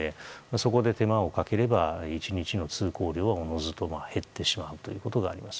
そこで手間をかければ１日の通行量はおのずと減ってしまうということがあります。